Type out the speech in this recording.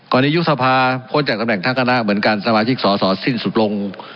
ตอนนี้ยุบสภาพ้นจากตำแหน่งทั้งคณะเหมือนกันสมาชิกสอสอสิ้นสุดลง